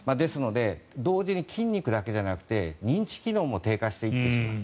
同時に筋肉だけじゃなくて認知機能も低下していってしまう。